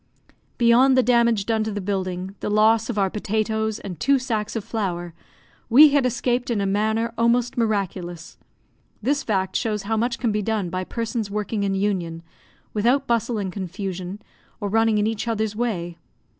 Beyond the damage done to the building, the loss of our potatoes and two sacks of flour, we had escaped in a manner almost miraculous. This fact shows how much can be done by persons working in union, without bustle and confusion, or running in each other's way.